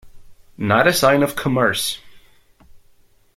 Not a sign of commerce!